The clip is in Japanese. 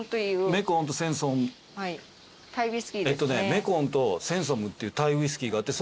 えっとねメコンとセンソムっていうタイウイスキーがあって